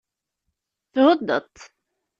Thuddeḍ-t.